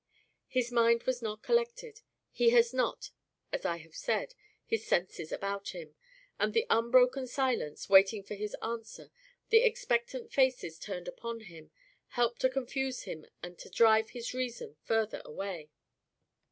His mind was not collected; he had not, as I have said, his senses about him; and the unbroken silence, waiting for his answer, the expectant faces turned upon him, helped to confuse him and to drive his reason further away.